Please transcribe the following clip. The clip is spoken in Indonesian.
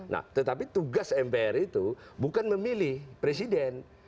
nah tetapi tugas mpr itu bukan memilih presiden